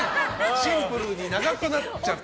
シンプルに長くなっちゃって。